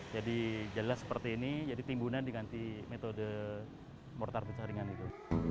jadi jadilah seperti ini jadi timbunan diganti metode mortar busa ringan itu